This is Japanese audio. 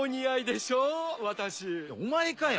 お前かよ？